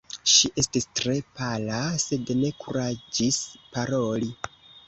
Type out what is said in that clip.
Ŝi estis tre pala, sed ne kuraĝis paroli.